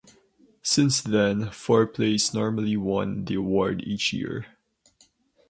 Since then, four plays normally won the award each year.